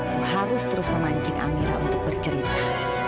aku harus terus memancing amira untuk bercerita